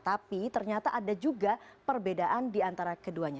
tapi ternyata ada juga perbedaan di antara keduanya